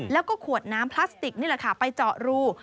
แล้วก็ขวดน้ำพลาสติกไปเจาะรู